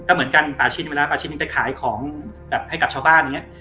ก็เหมือนกันป่าชิ้นเวลาปลาชิ้นนึงไปขายของแบบให้กับชาวบ้านอย่างนี้